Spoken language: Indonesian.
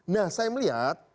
nah saya melihat